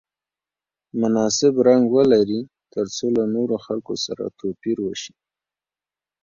مناسب رنګ ولري ترڅو له نورو خلکو سره توپیر وشي.